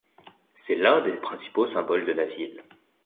C'est l'un des principaux symboles de la ville.